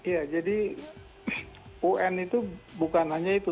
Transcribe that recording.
ya jadi un itu bukan hanya itu